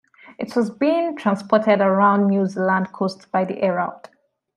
It was being transported around the New Zealand coast by the Herald.